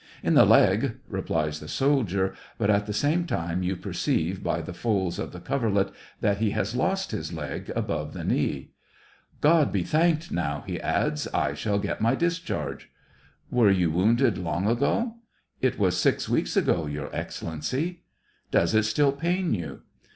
" In the leg," replies the soldier ; but, at the same time, you perceive, by the folds of the cov erlet, that he has lost his leg above the knee. SEVASTOPOL IN DECEMBER. 13 " God be thanked now," he adds, — "I shall get my discharge." Were you wounded long ago ?"" It was six weeks ago. Your Excellency." " Does it still pain you